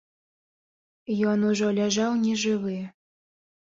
Ён ужо ляжаў нежывы.